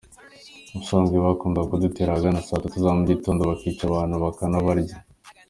Ubusanzwe bakundaga kudutera ahagana saa tatu za mu gitondo bakica abantu bakanabarya.